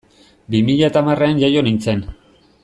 Bi mila eta hamarrean jaio nintzen.